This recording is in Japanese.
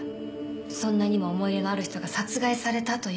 そんなにも思い入れのある人が殺害されたというのに。